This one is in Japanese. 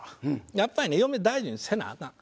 やっぱりね嫁大事にせなアカン。